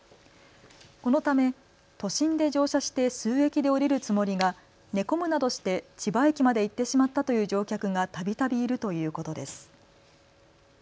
このため都心で乗車して数駅で降りるつもりが、寝込むなどして千葉駅まで行ってしまったという乗客がたびたびいるということです。